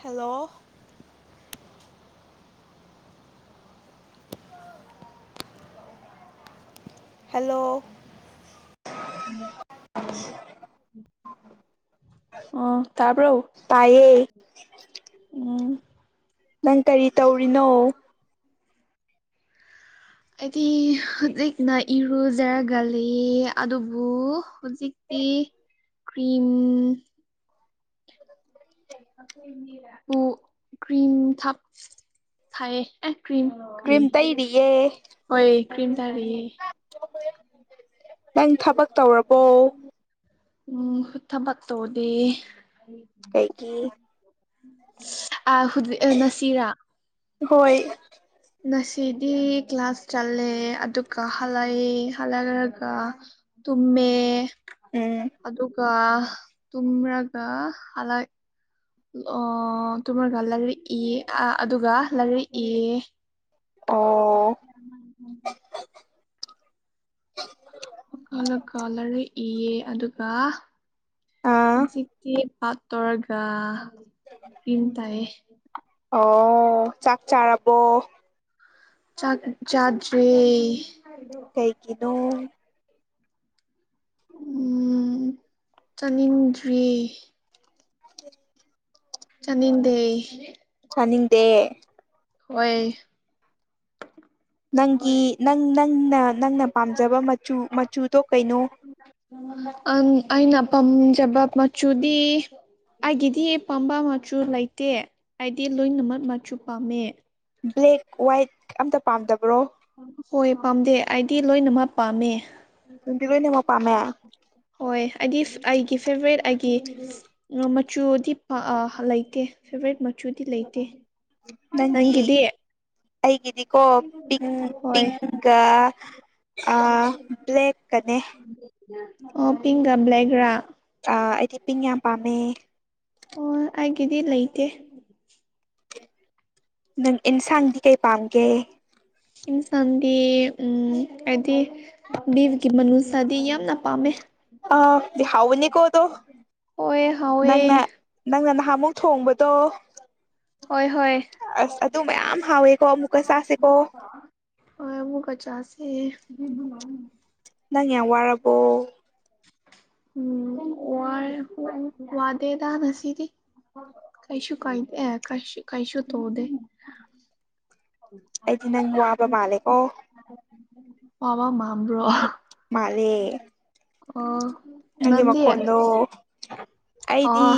Hello. Hello. ꯎꯝ꯫ ꯑ ꯇꯕꯔꯣ꯫ [inaudible] ꯎꯝ꯫ ꯅꯪ ꯀꯔꯤ ꯇꯧꯔꯤꯅꯣ꯫ ꯑꯩꯗꯤ ꯍꯧꯖꯤꯛꯅ ꯏꯔꯨꯖꯔꯒ ꯂꯩꯌꯦ ꯑꯗꯨꯕꯨ ꯍꯧꯖꯤꯛ ꯒꯤ ꯀ꯭ꯔꯤꯝ ꯄꯨ ꯀ꯭ꯔꯤꯝ ꯊꯛ ꯊꯥꯌꯦ ꯑꯦ꯫ ꯀ꯭ꯔꯤꯝ ꯀ꯭ꯔꯤꯝ ꯇꯩꯔꯤꯌꯦ ꯍꯣꯏ ꯀ꯭ꯔꯤꯝ ꯇꯥꯔꯤꯌꯦ꯫ ꯅꯪ ꯊꯕꯛ ꯇꯧꯔꯕꯣ꯫ ꯎꯝ ꯊꯥꯕꯛ ꯇꯧꯗꯦ꯫ ꯀꯩꯒꯤ꯫ ꯑ ꯍꯨ ꯅꯁꯤꯔꯥ꯫ ꯍꯣꯏ꯫ ꯅꯁꯤꯗꯤ ꯀ꯭ꯂꯥꯁ ꯆꯠꯂꯦ ꯑꯗꯨꯒ ꯍꯜꯂꯛꯑꯦ ꯍꯜꯂꯛꯔꯒ꯫ ꯇꯨꯝꯃꯦ꯫ ꯎꯝ꯫ ꯑꯗꯨꯒ ꯇꯨꯝꯔꯒ ꯍꯥꯂꯛ ꯑꯣ ꯇꯨꯝꯔꯒ ꯂꯔꯤꯛ ꯏꯌꯦ ꯑꯗꯨꯒ ꯂꯔꯤꯛ ꯏꯌꯦ꫰꫰ ꯑꯣ [unintelligible] ꯑꯣ ꯀꯥꯂ ꯀꯥꯂ ꯂꯥꯏꯔꯤꯛ ꯏꯌꯦ ꯑꯗꯨꯒ꯫ ꯑꯥ ꯍꯧꯖꯤꯛꯇꯤ ꯄꯥꯛꯇꯧꯔꯒ꯫ ꯀꯔꯤꯝ ꯇꯩꯌꯦ꯫ ꯑꯣ ꯆꯥꯛ ꯆꯥꯔꯕꯣ꯫ ꯆꯥꯛ ꯆꯥꯖꯔꯤ꯫ ꯀꯩꯒꯤꯅꯣ꯫ ꯎꯝ ꯆꯥꯅꯤꯡꯗ꯭ꯔꯤꯌꯦ꯫ ꯆꯅꯤꯡꯗꯦ꯫ ꯇꯅꯤꯡꯗꯦ꯫ ꯍꯣꯏ꯫ ꯅꯪꯒꯤ ꯅꯪ ꯅꯪꯅ ꯅꯪꯅ ꯄꯥꯝꯖꯕ ꯃꯆꯨ ꯃꯆꯨꯗꯣ ꯀꯩꯅꯣ꯫ ꯑꯪ ꯑꯩꯅ ꯄꯥꯝꯖꯕ ꯃꯆꯨꯗꯤ꯫ ꯑꯩꯒꯤꯗꯤ ꯄꯥꯝꯕ ꯃꯆꯨ ꯂꯩꯇꯦ ꯑꯩꯗꯤ ꯂꯣꯏꯅꯃꯛ ꯃꯆꯨ ꯄꯥꯝꯃꯦ꯫ ꯕ꯭ꯂꯦꯛ ꯋꯥꯏꯠ ꯑꯝꯇ ꯄꯥꯝꯗꯕ꯭ꯔꯣ꯫ ꯍꯣꯏ ꯄꯥꯝꯗꯦ ꯑꯩꯗꯤ ꯂꯣꯏꯅꯃꯛ ꯄꯥꯝꯃꯦ꯫ ꯅꯪꯗꯤ ꯂꯣꯏꯅꯥꯃꯛ ꯄꯥꯝꯃꯦ꯫ ꯍꯣꯏ ꯑꯩꯗꯤ ꯑꯩꯒꯤ ꯐꯦꯚꯣꯔꯥꯏꯠ ꯑꯩꯒꯤ ꯃꯆꯨꯗꯤ ꯄ ꯑꯥ ꯂꯩꯇꯦ꯫ ꯐꯦꯕꯣꯔꯥꯏꯠ ꯃꯆꯨꯗꯤ ꯂꯩꯇꯦ꯫ ꯅꯪꯒꯤ ꯅꯪꯒꯤꯗꯤ ꯑꯩꯒꯤ ꯀꯣ ꯄꯤ ꯍꯣꯏ ꯄꯤꯀ ꯑ ꯕ꯭ꯂꯦꯛ ꯀꯅꯦ ꯑꯣ ꯄꯤꯡꯀ ꯕ꯭ꯂꯦꯛꯒ ꯔꯥ ꯑ ꯑꯩꯗꯤ ꯄꯤꯡ ꯌꯥꯝ ꯄꯥꯝꯃꯦ ꯑꯣ ꯑꯩꯒꯤꯗꯤ ꯂꯩꯇꯦ ꯅꯪ ꯑꯦꯟꯁꯥꯡꯗꯤ ꯀꯩ ꯄꯥꯝꯒꯦ ꯏꯟꯁꯥꯡꯗꯤ ꯎꯝ ꯍꯥꯏꯗꯤ ꯕꯤꯒꯤ ꯃꯅꯨꯁꯥꯗꯤ ꯌꯥꯝꯅ ꯄꯥꯝꯃꯦ ꯑ ꯍꯥꯎꯅꯤ ꯀꯣꯗꯣ ꯍꯣꯏ ꯍꯥꯎꯋꯦ ꯅꯪꯅ ꯅꯪꯪ ꯍꯥꯃꯨꯛ ꯊꯣꯡꯕꯗꯣ ꯍꯣꯏ ꯍꯣꯏ ꯑꯁ ꯑꯗꯨ ꯃꯌꯥꯝ ꯍꯥꯎꯋꯦꯀꯣ ꯑꯃꯨꯛꯀ ꯆꯥꯁꯦꯀꯣ ꯁꯤꯕꯂ [unintelligible] ꯅꯪ ꯌꯥꯝ ꯋꯥꯔꯕꯣ‌ ꯎꯝ ꯋꯥ ꯋꯥꯗꯦꯗ ꯉꯁꯤꯗꯤ ꯀꯥꯏꯁꯨ ꯀꯥꯏꯗ ꯑꯦ ꯀꯥꯏꯁ ꯀꯥꯏꯁꯨ ꯇꯧꯗ ꯑꯩꯗꯤꯅꯕꯨ ꯋꯕ ꯃꯥꯜꯂꯀꯣ ꯄꯋꯥ ꯃꯝ꯭ꯔꯣ ꯃꯥꯂꯦ ꯑꯣ ꯅꯒꯤ ꯅꯪꯗꯤ ꯃꯀꯣꯟꯗꯨꯣ ꯑꯩꯗꯤ ꯑꯣ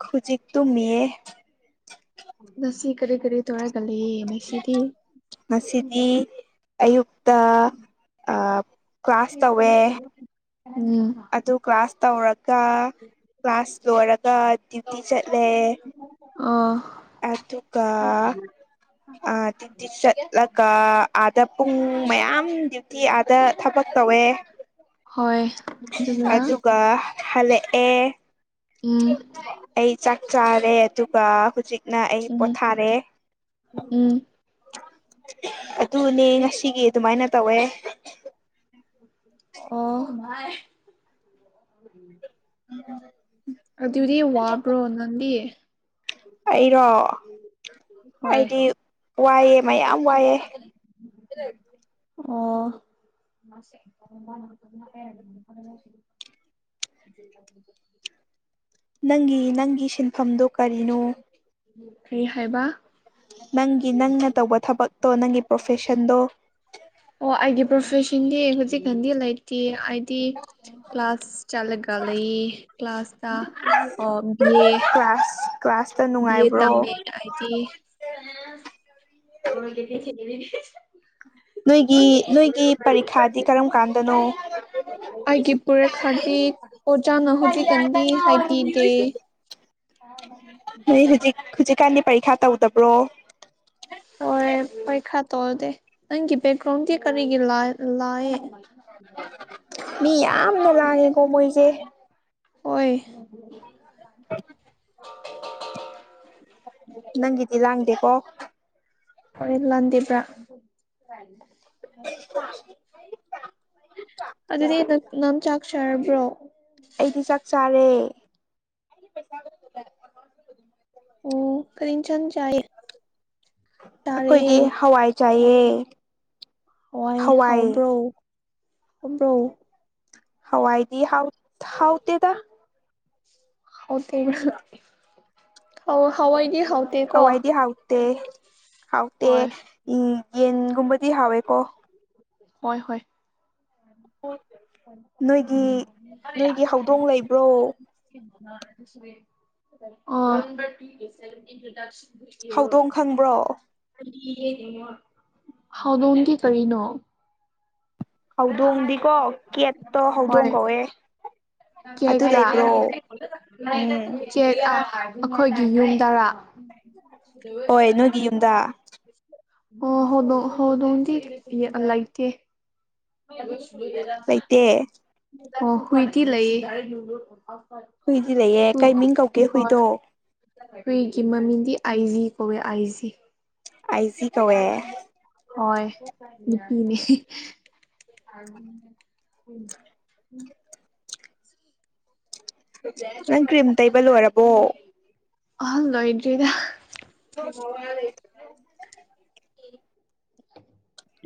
ꯈꯖꯤ ꯇꯨ ꯃꯤꯌꯦꯛꯦ ꯅꯁꯤ ꯀꯔꯤ ꯀꯔꯤ ꯊꯔ ꯀ ꯂꯩ ꯅꯁꯤꯗꯤ ꯉꯁꯤꯗꯤ ꯑꯌꯨꯛꯇ ꯀ꯭ꯂꯥꯁ ꯇꯧꯋꯦ ꯎꯝ ꯑꯗꯨ ꯀ꯭ꯂꯥꯁ ꯇꯧꯔꯒ ꯀ꯭ꯂꯥꯁ ꯂꯣꯏꯔꯒ ꯗ꯭ꯌꯨꯇꯤ ꯆꯠꯂꯦ ꯑꯥ ꯑ ꯇꯨ ꯀ ꯑꯊ ꯆꯠꯂ ꯀ ꯑ ꯗ ꯄꯨꯡ ꯃꯌꯥꯝ ꯗ꯭ꯌꯨꯇꯤ ꯑꯥꯗ ꯊꯕꯛ ꯇꯧꯋꯦ ꯍꯣꯏ ꯑꯗꯨꯒ ꯍꯜꯂꯛ ꯑꯦ ꯎꯝ ꯆꯥꯔꯦ ꯑꯗꯨꯒ ꯍꯧꯖꯤꯛꯅ ꯑꯩ ꯎꯝ ꯄꯣꯊꯥꯔꯦ ꯎꯝ ꯑꯗꯨꯅꯦ ꯉꯁꯤꯒꯤ ꯑꯗꯨꯃꯥꯏꯅ ꯇꯧꯋꯦ ꯑꯣꯥꯏ ꯑꯗꯨꯗꯦ ꯋꯥꯕ꯭ꯔꯣ ꯅꯪꯗꯤ ꯑꯩꯔꯣ ꯍꯣꯏ ꯑꯩꯗꯤ ꯋꯥꯏꯑꯦ ꯃꯌꯥꯝ ꯋꯥꯏꯑꯦ ꯑꯣ [inaudible] ꯅꯪꯒꯤ ꯅꯪꯒꯤ ꯁꯤꯟꯐꯝꯗꯨ ꯀꯔꯤꯅꯣ ꯑꯩ ꯍꯥꯏꯕ ꯅꯪꯒꯤ ꯅꯪꯅ ꯇꯧꯕ ꯊꯕꯛꯇꯣ ꯅꯪꯒꯤ ꯄ꯭ꯔꯣꯐꯦꯁꯟꯗꯣ ꯑꯣ ꯑꯩꯒꯤ ꯄ꯭ꯔꯣꯐꯦꯁꯟꯗꯤ ꯍꯧꯖꯤꯛꯀꯥꯟꯗꯤ ꯂꯩꯇꯦ ꯍꯥꯏꯗꯤ ꯀ꯭ꯂꯥꯁ ꯆꯠꯂꯒ ꯂꯩꯌꯦ ꯀ꯭ꯂꯥꯁꯇ ꯑꯣ ꯕꯤ ꯑꯦ ꯀ꯭ꯂꯥꯁ ꯀ꯭ꯂꯥꯁꯇ ꯅꯨꯡꯉꯥꯏꯕ꯭ꯔꯣ ꯇꯝꯃꯦ ꯑꯥꯏ [inaudible] ꯅꯣꯏꯒꯤ ꯅꯣꯏꯒꯤ ꯄꯔꯤꯈꯥꯗꯤ ꯀꯔꯝ ꯀꯥꯟꯗꯅꯣ ꯑꯩꯒꯤ ꯀ ꯄꯨꯔꯈꯥꯗꯤ ꯑꯋꯥ ꯑꯣꯖꯥꯅ [inaudible] ꯍꯧꯖꯤꯛꯀꯥꯟꯗꯤ [unintelligible] [inaudible] ꯑ [inaudible] ꯍꯧꯖꯤꯛꯀꯥꯟꯗꯤ ꯄꯔꯤꯈꯥ ꯇꯧꯗꯕ꯭ꯔꯣ ꯍꯣꯏ ꯄꯣꯏ ꯈꯔ ꯇꯧꯗꯦ ꯅꯪꯒꯤ ꯕꯦꯛꯒ꯭ꯔꯥꯎꯟꯗꯤ ꯀꯔꯤꯒꯤ ꯂ ꯂꯥꯏꯑꯦ ꯃꯤ ꯌꯥꯝ ꯂꯉꯦꯀꯣ ꯃꯣꯏꯁꯦ ꯑꯣꯏ ꯅꯪꯒꯤꯗꯤ ꯂꯥꯡꯗꯦꯀꯣ ꯏ ꯂꯗꯕ꯭ꯔꯥ [unintelligible] [inaudible] [inaudible] ꯑꯗꯨꯗꯤ ꯅ ꯅꯪ ꯆꯥꯛ ꯆꯥꯔꯕ꯭ꯔꯣ ꯑꯩꯗꯤ ꯆꯥꯛ ꯆꯥꯔꯦ ꯑꯣ ꯀꯔꯤ ꯏꯟꯁꯥꯡ ꯆꯥꯏꯌꯦ ꯑꯩꯈꯣꯏꯗꯤ ꯆꯥꯔꯦ ꯍꯋꯥꯏ ꯆꯥꯏꯌꯦ ꯌ‌ꯦ ꯍꯋꯥꯏ ꯍꯥꯎꯕ꯭ꯔꯣ ꯍꯥꯎꯕ꯭ꯔꯣ ꯍꯋꯥꯏꯗꯤ ꯍꯥꯎ ꯍꯥꯎꯇꯦꯗ ꯑꯣꯦ ꯍꯋꯥ ꯑꯣꯏꯗ [unintelligible] ꯍꯋꯥꯏꯗꯤ ꯍꯥꯎꯇꯦ ꯍꯥꯎꯇꯦ ꯍꯣꯏ ꯎꯝ ꯌꯦꯟꯒꯨꯝꯕꯗꯤ ꯍꯥꯎꯋꯦꯀꯣ ꯍꯣꯏ ꯍꯣꯏ ꯅꯣꯏꯒꯤ ꯅꯣꯏꯒꯤ ꯍꯧꯗꯣꯡ ꯂꯩꯕ꯭ꯔꯣ ꯏꯟ꯭ꯔꯣ [unintelligible] ꯍꯧꯗꯣꯡ ꯈꯪꯕ꯭ꯔꯣ ꯍꯧꯗꫭꯡꯗꯤ ꯀꯔꯤꯅꯣ ꯍꯧꯗꯣꯡꯗꯤꯀꯣ ꯀꯦꯠꯇꯣ ꯍꯧꯗꯣꯡ ꯀꯧꯋꯦ ꯑꯗꯨ ꯀꯦꯀ ꯂꯩꯕ꯭ꯔꯣ ꯎꯝ ꯀꯦ [unintelligible] ꯑꯩꯈꯣꯏꯒꯤ ꯌꯨꯝ ꯗꯔꯥ ꯍꯣꯏ ꯅꯣꯏꯒꯤ ꯌꯨꯝꯗ ꯑꯣ ꯍꯧꯗꫭꯡ ꯍꯧꯗꫭꯡꯗꯤ ꯂꯩꯏꯇꯦ ꯂꯩꯇ‌ꯦ ꯑꯣ ꯍꯨꯏꯗꯤ ꯂꯩꯌꯦ ꯍꯨꯏꯗꯤ ꯂꯩꯌꯦ ꯀꯩ ꯃꯤꯡ ꯀꯧꯒ‌ꯦ ꯍꯣꯏ ꯍꯨꯏꯗꯣ ꯍꯨꯏꯒꯤ ꯃꯃꯤꯡꯗꯤ ꯑꯥꯏꯖꯤ ꯀꯣꯋꯦ ꯑꯥꯏꯖꯤ ꯑꯥꯏꯖꯤ ꯀꯧꯋꯦ ꯍꯣꯏ ꯅꯨꯄꯤꯅꯤ ꯎꯝ ꯅꯪ ꯀ꯭ꯔꯤꯝ ꯇꯩꯕ ꯂꯣꯏꯔꯕꯣ ꯑꯍꯜ ꯂꯣꯏꯗ꯭꯭ꯔꯔꯤꯗ ꯍ ꯂꯩ [unintelligible]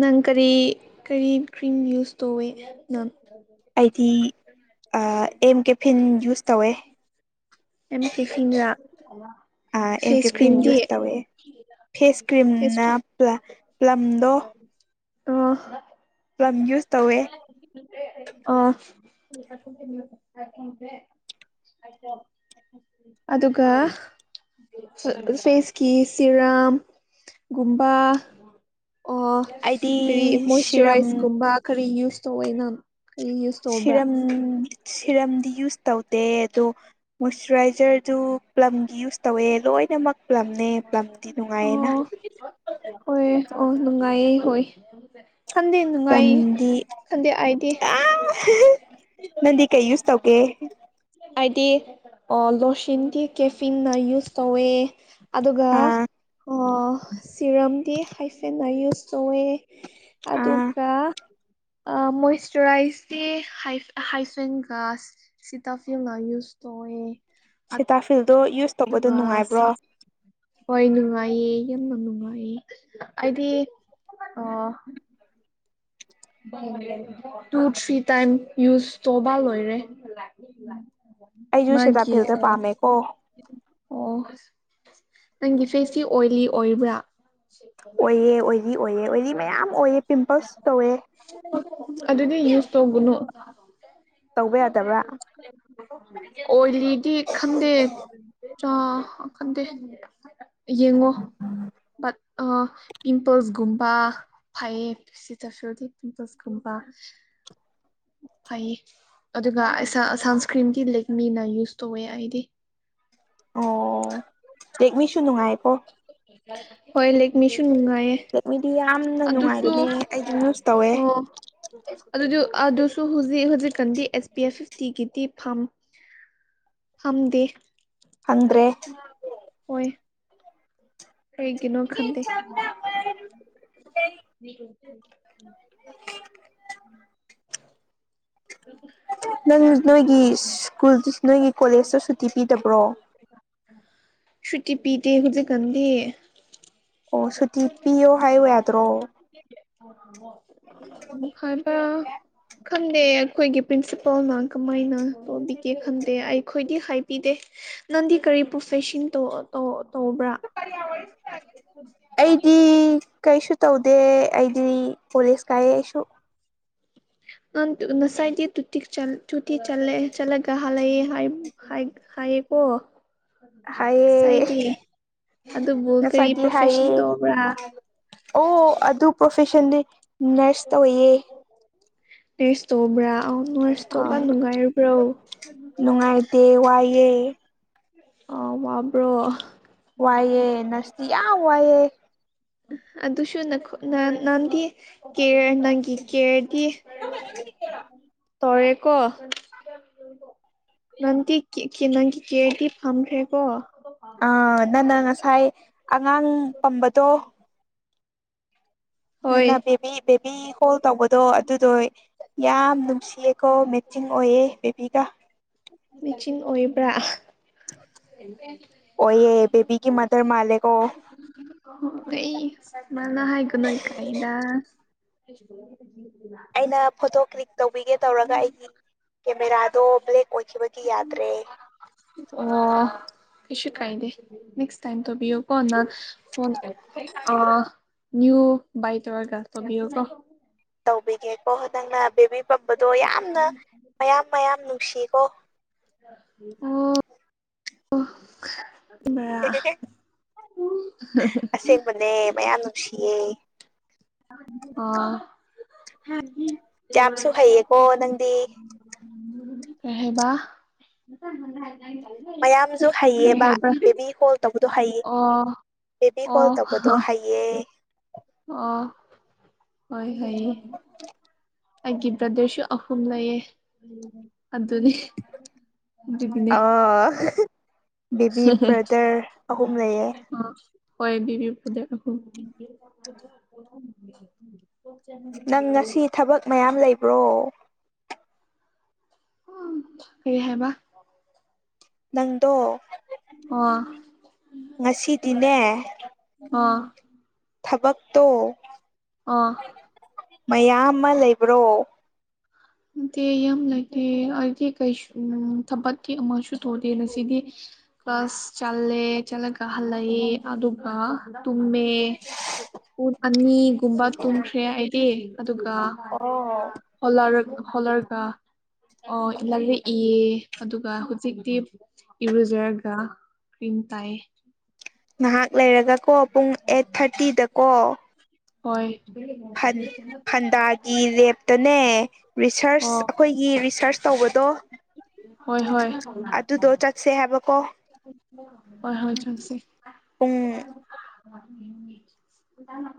ꯅꯪ ꯀꯔꯤ ꯀꯔꯤ ꯀ꯭ꯔꯤꯝ ꯌꯨꯁ ꯇꯧꯏꯤ ꯅꯪ ꯑꯩꯗꯤ ꯑꯦꯝ ꯀꯦꯐꯤꯟ ꯌꯨꯁ ꯇꯧꯋꯦ ꯑꯦꯝ ꯀꯦ ꯐꯤꯟꯔꯥ ꯑꯥ‌ ꯑꯦꯝ ꯀꯦꯐꯤꯟ ꯌꯨꯁ ꯇꯧꯋꯦ ꯐꯦꯁ ꯐꯦꯁ ꯀ꯭ꯔꯤꯝꯅ ꯀ꯭ꯔꯤꯝ ꯄ ꯄꯂꯝ ꯗꯣ ꯑꫭ ꯇꯧꯋꯦ ꯑꯣ ꯑꯗꯨꯒ ꯐꯦꯁꯀꯤ ꯁꯤꯔꯥꯝ ꯒꯨꯝꯕ ꯑꯣ ꯑꯩꯗꯤ ꯀꯔꯤ ꯁꯤꯔꯝ ꯃꯣꯏꯆꯔꯥꯏꯁꯀꯨꯝꯕ ꯀꯔꯤ ꯌꯨꯁ ꯇꯧꯏ ꯅꯪ ꯀꯔꯤ ꯌꯨꯁ ꯇꯧꯕ꯭ꯔꯥ ꯁꯤꯔꯝ ꯁꯤꯔꯝꯗꯤ ꯌꯨꯁ ꯇꯧꯗꯦ ꯑꯗꯣ ꯃꯣꯏꯆꯔꯥꯏꯖꯔꯗꯨ ꯄ꯭ꯂꯝꯒꯤ ꯌꯨꯁ ꯇꯧꯑꯦ ꯂꯣꯏꯅꯃꯛ ꯄꯂꯝꯅꯦ ꯄꯂꯝꯗꯤ ꯅꯨꯡꯉꯥꯏꯌꯦꯅ ꯑꯣ ꯍꯣꯏ ꯑꯣ ꯅꯨꯡꯉꯥꯏꯌꯦ ꯍꯣꯏ ꯈꯟꯗꯦ ꯅꯨꯡꯉꯥꯏꯌꯦ ꯄꯂꯝꯗꯤ ꯈꯟꯗꯦ ꯑꯩꯗꯤ ꯅꯗꯤ ꯀꯩ ꯌꯨꯁ ꯇꯧꯒ‌ꯦ ꯍꯥꯏꯗꯤ ꯂꯣꯁꯤꯟꯗꯤ ꯀꯦꯐꯤꯟꯅ ꯌꯨꯁ ꯇꯧꯋꯦ ꯑꯗꯨꯒ ꯑꯥ ꯑꯥ ꯁꯤꯔꯝꯗꯤ ꯍꯥꯏꯐꯦꯠꯟꯅ ꯌꯨꯁ ꯇꯧꯑꯦ ꯑꯥ ꯑꯗꯨꯒ ꯃꯣꯏꯔꯥꯏꯁ ꯗꯦ ꯍꯥꯏꯐꯦꯟ ꯒꯥꯁ ꯇꯥꯐ꯭ꯌꯨ ꯑꯃ ꯌꯨꯖ ꯇ ꯑꯣꯏꯌꯦ ꯁꯤ ꯇꯁꯦ ꯑꯗꯨꯒ ꯍꯣꯏ ꯅꯨꯡꯉꯥꯏꯌꯦ ꯌꯥꯝꯅ ꯅꯨꯡꯉꯥꯏꯌꯦ ꯍꯥꯏꯗꯤ ꯑ ꯇꯨ ꯊ꯭ꯔꯤ ꯇꯥꯏꯝ ꯌꯨꯁ ꯇꯣꯕꯥ ꯂꯣꯏꯔꯦ ꯑꯩꯁꯨ ꯃꯥꯒꯤ ꯁꯦꯇꯥꯐꯤꯜꯗꯣ ꯑ ꯄꯥꯝꯃꯦꯀꯣ ꯑꯣ ꯅꯪꯒꯤ ꯐꯦꯁꯁꯤ ꯑꯣꯏꯂꯤ ꯑꯣꯏꯕ꯭ꯔꯥ ꯑꯣꯏꯑꯦ ꯑꯣꯏꯔꯤ ꯑꯣꯏꯑꯦ ꯑꯣꯏꯔꯤ ꯃꯌꯥꯝ ꯑꯣꯏꯑꯦ ꯄꯤꯝꯄꯜꯁ ꯇꯧꯑꯦ ꯑꯗꯨꯗꯤ ꯌꯨꯁ ꯇꯧꯒꯅꯨ ꯇꯧꯕ ꯌꯥꯗꯕ꯭ꯔꯥ ꯑꯣꯏꯔꯤꯗꯤ ꯈꯟꯗꯦ ꯈꯟꯗꯦ ꯌꯦꯡꯉꯣ ꯠ ꯄꯤꯝꯄꯜꯁꯒꯨꯝꯕꯥ ꯐꯥꯏꯞ ꯁꯤꯗ ꯐꯤꯜꯗꯤ ꯆ ꯆꯁ ꯈꯨꯝꯕ ꯐꯩꯌꯦ ꯑꯗꯨꯒ ꯁꯟꯁꯀ꯭ꯔꯤꯟꯒꯤ ꯂꯤꯛ ꯃꯤꯅ ꯌꯨꯁ ꯇꯧꯋꯦ ꯑꯩꯗꯤ ꯑꯣ ꯔꯦꯛꯃꯤꯁꯨ ꯅꯨꯡꯉꯥꯏꯕꯣ ꯍꯣꯏ ꯂꯦꯛ ꯃꯤ ꯍ ꯃꯤꯗꯤ ꯌꯥꯝꯅ ꯅꯨꯡꯉꯥꯏꯕꯅꯦ ꯑꯩꯁꯨ ꯅꯨꯁ ꯇꯧꯋꯦ ꯑꯣ ꯑꯗꯨ ꯑ ꯑꯗꯨ ꯍꯧꯖꯤꯛ ꯍꯧꯖꯤꯛꯀꯥꯟꯗꯤ ꯑꯦꯁ ꯄꯕꯤ ꯑꯐ ꯐꯤꯐꯇꯤꯒꯤꯗꯤ ꯐꯥꯝ ꯐꯝꯗ ꯑꯗ꯭ꯔꯦ ꯑꯣꯏꯣꯏ ꯑꯩꯩ ꯀꯩꯅꯣ ꯈꯟꯗ ꯅ ꯅꯣꯏꯒꯤ ꯁ꯭ꯀꯨꯜ ꯅꯣꯏꯒꯤ ꯀꯣꯂꯦꯖꯇ ꯁꯨꯇꯤ ꯄꯤꯗꯕ꯭ꯔꯣ ꯁꯨꯇꯤ ꯄꯤꯗ ꯍꯧꯖꯤꯛ ꯀꯗ ꯑꯣ ꯁꯨꯇꯤ ꯄꯤꯌꯣ ꯍꯥꯏꯌꯨ ꯌꯥꯗ꯭ꯔꯣ ꯍꯕ ꯈꯪꯗꯦ ꯑꯩꯈꯣꯏꯒꯤ ꯄ꯭ꯔꯤꯟꯁꯤꯄꯥꯜꯅ ꯀꯃꯥꯏꯅ ꯇꯧꯕꯤꯒꯦ ꯈꯟꯗꯦ ꯑꯩꯈꯣꯏꯗꯤ ꯍꯥꯏꯕꯤꯗꯦ ꯅꯪꯗꯤ ꯀꯔꯤ ꯄ꯭ꯔꯣꯐꯦꯁꯟ ꯇꯣ ꯇꯣ ꯑꯩꯗꯤ ꯀꯩꯁꯨ ꯇꯧꯗꯦ ꯑꯩꯗꯤ ꯄꯂꯤꯁ ꯀꯥꯏꯁꯨ ꯅ ꯉꯁꯥꯏꯗꯤ ꯇ ꯇꯨꯇ ꯆꯂꯦ ꯆꯠꯂꯒ ꯍꯜꯂꯛꯑꯦ ꯍꯥꯏ ꯍꯥꯏ ꯑꯣ ꯁꯥꯏꯗꯤ ꯉꯁꯥꯏꯒꯤ ꯍꯥꯏꯌꯦ ꯇꯧꯕ꯭ꯔꯥ ꯑꯣ ꯑꯗꯨ ꯄ꯭ꯔꯣꯐꯦꯁꯟꯗꯤ ꯅꯔꯁ ꯇꯧꯋꯌꯦ ꯅꯁꯇꯣꯕ꯭ꯔꯥ ꯑꯥ ꯅꯨꯡꯉꯥꯏꯇꯦ ꯋꯥꯏꯑꯦ ꯑ ꯃꯥꯕ꯭ꯔꯣ ꯋꯥꯏꯌꯦꯦ ꯅꯁ ꯌꯥ ꯋꯥꯏꯌꯦꯦ ꯑꯗꯨꯁꯨ ꯅ ꯅꯪꯗꯤ ꯀꯦ ꯅꯪꯒꯤ ꯀꯦ ꯇꯔꯦꯀꯣ ꯅꯪꯗꯤ ꯅꯪꯒꯤ ꯀꯦꯗꯤ ꯐꯝ꯭ꯔꯦꯀꯣ ꯑꯥ ꯅꯪꯅ ꯉꯁꯥꯏ ꯑꯉꯥꯡ ꯄꯝꯕꯗꯣ ꯅꯅ ꯍꯣꯏ ꯕꯦꯕꯤ ꯕꯦꯕꯤ ꯍꯣꯜ ꯇꯧꯕꯗꯣ ꯑꯗꯨꯗꯣꯏ ꯌꯥꯝ ꯅꯨꯡꯁꯤꯌꯦꯀꯣ ꯃꯦꯆꯤꯡ ꯑꯣꯏꯌꯦ ꯕꯦꯕꯤꯒ ꯃꯦꯆꯤꯟ ꯑꯣꯏꯕ꯭ꯔꯥ ꯑꯣ ꯦꯕꯤꯒꯤ ꯃꯗꯔ ꯃꯥꯂꯦꯀ ꯑꯩ ꯃꯥꯜꯅ ꯍꯥꯏꯒꯅꯣꯣꯏ ꯀꯩꯗ [inaudible] ꯑꯩꯅ ꯐꯣꯇꯣ ꯀ꯭ꯂꯤꯛ ꯇꯧꯕꯤꯒꯦ ꯇꯧꯔꯒ ꯑꯩꯒꯤ ꯀꯦꯃꯦꯔꯥꯗꯣ ꯕ꯭ꯂꯦꯛ ꯑꯣꯏꯈꯤꯕ ꯌꯥꯗ꯭ꯔꯦ ꯑ ꯏꯁꯨ ꯀꯥꯏꯗꯦ ꯅꯦꯛꯁ ꯇꯥꯏꯝ ꯇꯧꯕꯤꯌꯣ ꯀ ꯐꯣꯟ ꯑ ꯅꯎ ꯥꯏ ꯇꯔꯒ ꯇꯕ ꯌꯒꯣ ꯇꯧꯕꯤꯒꯦꯀꯣ ꯅꯪꯅ ꯕꯦꯕꯤ ꯄꯝꯕꯗꯣ ꯌꯥꯝꯅ ꯃꯌꯥꯝ ꯃꯌꯥꯝ ꯅꯨꯡꯁꯤꯀꯣ ꯎꯝ ꯑꯣ ꯃ ꯍ ꯑꯣ [inaudible] ꯌꯥꯝꯁꯨ ꯍꯩꯌꯦꯀꯣ ꯅꯪꯗꯤ ꯀꯩꯕꯥ ꯃꯌꯥꯝꯁꯨ ꯍꯩꯌꯦꯕ ꯕꯦꯕꯤ ꯍꯣꯜ ꯇꯧꯕꯗꯣ ꯍꯩꯌꯦ ꯑꯣ ꯕꯦꯕꯤ ꯀꯣꯜ ꯑꯣ ꯇꯧꯕꯗꯣ ꯍꯩꯌꯦ ꯑꯣ ꯍꯣꯏ ꯍꯣꯏ ꯑꯩꯒꯤ ꯕ꯭ꯔꯗꯔꯁꯨ ꯑꯍꯨꯝ ꯂꯩꯌꯦ ꯑꯗꯨꯅꯦ ꯑꯗꯨꯗꯤꯅꯦ ꯑ ꯕꯦꯕꯤ ꯍ ꯕ꯭ꯔꯗꯔ ꯑꯍꯨꯝ ꯂꯩꯌꯦ ꯍ ꯍꯣꯏꯕꯤꯕꯤ ꯐꯗꯣ ꯅꯪ ꯉꯁꯤ ꯊꯕꯛ ꯃꯌꯥꯝ ꯂꯩꯕ꯭ꯔꯣ ꯎ ꯀ ꯍꯥꯏꯦꯕ ꯅꯪꯗꯣ ꯑꯣ ꯉꯁꯤꯗꯤꯅꯦ ꯍꯥ ꯊꯕꯛꯛꯇꯣ ꯑ ꯃꯌꯥꯝ ꯑꯃ ꯂꯩꯕ꯭ꯔꯣ ꯦ ꯌꯥꯝ ꯂꯩꯇꯦ ꯍꯥꯏꯗꯤ ꯀꯩꯁꯨ ꯊꯕꯛꯀꯤ ꯑꯃꯁꯨ ꯇꯧꯗꯦ ꯉꯁꯤꯗꯤ ꯀ꯭ꯂꯥꯁ ꯆꯠꯂꯦ ꯆꯠꯂꯒ ꯍꯜꯂꯛꯏ ꯑꯗꯨꯒ ꯇꯨꯝꯃꯦ ꯄꯟ ꯑꯅꯤꯒꯨꯝꯕ ꯇꯨꯝꯈ꯭ꯔꯦ ꯍꯥꯏꯗꯤ ꯑꯗꯨꯒ ꯑꯣ ꯍꯣꯂꯔ ꯍꯣꯂꯔꯒ ꯑꯣ ꯏꯂꯂ ꯏꯌꯦ ꯑꯗꯨꯒ ꯍꯧꯖꯤꯛꯇꯤ ꯏꯔꯨꯖꯔꯒ ꯀ꯭ꯔꯤꯝ ꯇꯥꯏꯌꯦ ꯉꯍꯥꯛ ꯂꯩꯔꯒ ꯀꯣ ꯄꯨꯡ ꯑꯩꯠ ꯊꯥꯔꯇꯤꯗꯀꯣ ꯍꯣꯏ ꯟ ꯐꯟꯗꯥꯒꯤ ꯂꯦꯞꯇꯅꯦ ꯔꯤꯁꯔꯁ ꯑꯣ ꯑꯩꯈꯣꯏꯒꯤ ꯔꯤꯁꯔꯁ ꯇꯧꯕꯗꯣ ꯍꯣꯏ ꯍꯣꯏ ꯑꯗꯨꯗꯣ ꯆꯠꯁꯦ ꯍꯥꯏꯕꯀꯣ ꯍꯣꯏ ꯍꯣꯏ ꯆꯪꯁꯤ ꯎꯨꯡ [inaudible]